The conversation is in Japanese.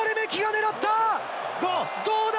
どうだ？